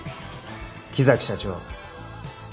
木崎社長。